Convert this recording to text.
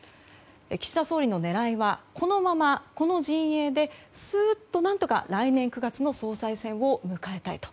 岸田総理の狙いはこのまま、この陣営でスーッと何とか来年９月の総裁選を迎えたいと。